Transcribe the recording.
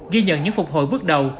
ghi nhận những phục hồi bước đầu